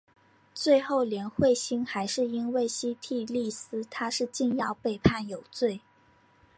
最后连惠心还是因为西替利司他是禁药被判有罪。